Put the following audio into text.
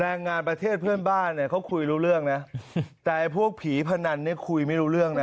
แรงงานประเทศเพื่อนบ้านเนี่ยเขาคุยรู้เรื่องนะแต่ไอ้พวกผีพนันเนี่ยคุยไม่รู้เรื่องนะ